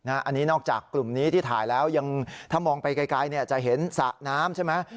อันนี้นอกจากกลุ่มนี้ที่ถ่ายแล้วยังถ้ามองไปไกลจะเห็นสระน้ำใช่ไหม